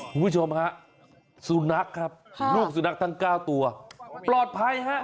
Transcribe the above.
คุณผู้ชมฮะสุนัขครับลูกสุนัขทั้ง๙ตัวปลอดภัยฮะ